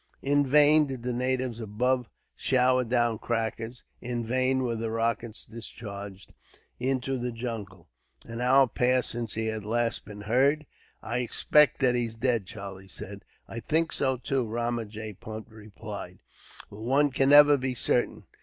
In vain did the natives above shower down crackers. In vain were the rockets discharged into the jungle. An hour passed, since he had last been heard. "I expect that he's dead," Charlie said. "I think so, too," Ramajee Punt replied; "but one can never be certain.